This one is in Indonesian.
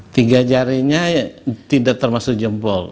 tiga jarinya tidak termasuk jempol